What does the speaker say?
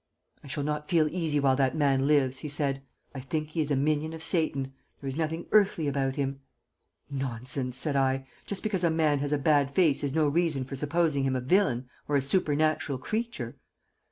"I shall not feel easy while that man lives," he said. "I think he is a minion of Satan. There is nothing earthly about him." "Nonsense," said I. "Just because a man has a bad face is no reason for supposing him a villain or a supernatural creature."